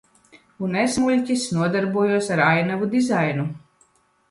Un es, muļķis, nodarbojos ar ainavu dizainu.